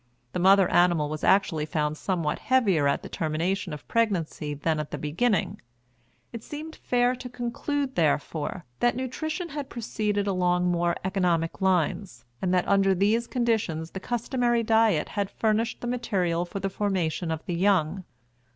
The mother animal was actually found somewhat heavier at the termination of pregnancy than at the beginning. It seemed fair to conclude, therefore, that nutrition had proceeded along more economic lines, and that under these conditions the customary diet had furnished the material for the formation of the young.